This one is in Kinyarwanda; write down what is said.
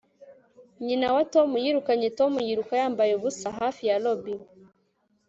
nyina wa tom yirukanye tom yiruka yambaye ubusa hafi ya lobby